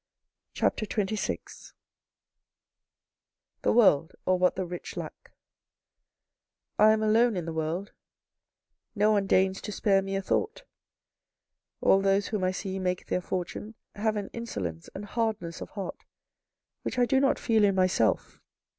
CHAPTER XXVI THE WORLD, OR WHAT THE RICH LACK I am alone in the world. No one deigns to spare me a thought. All those whom I see make their fortune, have an insolence and hardness of heart which I do not feel in myself.